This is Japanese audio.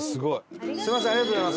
すみませんありがとうございます。